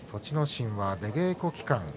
心は出稽古期間